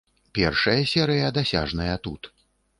Першая серыя дасяжная тут.